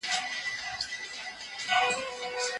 ما د کلي د خلکو مېلمه پالنه ډېره خوښه کړه.